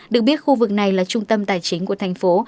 được biết khu vực này là trung tâm tài chính của thành phố